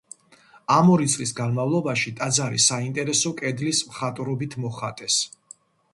ამ ორი წლის განმავლობაში ტაძარი საინტერესო კედლის მხატვრობით მოხატეს.